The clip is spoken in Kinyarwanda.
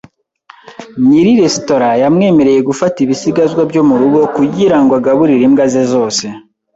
Nyiri resitora yamwemereye gufata ibisigazwa byo murugo kugirango agaburire imbwa ze zose .